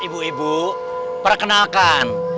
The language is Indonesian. ibu ibu perkenalkan